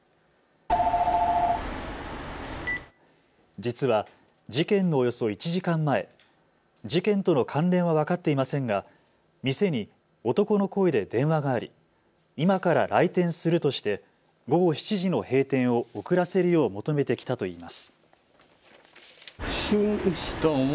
実は、事件のおよそ１時間前、事件との関連は分かっていませんが店に男の声で電話があり今から来店するとして午後７時の閉店を遅らせるよう求めてきたといいます。